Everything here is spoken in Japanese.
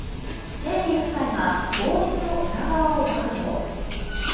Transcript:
ヘンリー夫妻が王室の裏側を暴露？